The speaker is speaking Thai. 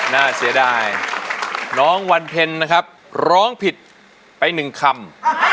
น่าเสียดายน้องวันเพ็ญนะครับร้องผิดไปหนึ่งคำ